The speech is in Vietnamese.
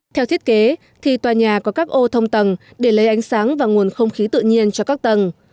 theo thiết kế thì tòa nhà có các ô thông tầng để lấy ánh sáng và nguồn không khí tự nhiên cho các tầng